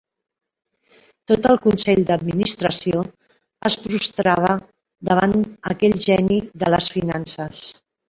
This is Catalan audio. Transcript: Tot el consell d'administració es prostrava davant aquell geni de les finances.